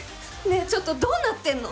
ねえちょっと、どうなってんの。